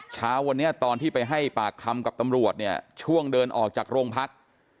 เช้าวันนี้ตอนที่ไปให้ปากคำกับตำรวจเนี่ยช่วงเดินออกจากโรงพัก